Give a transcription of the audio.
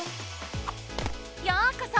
ようこそ！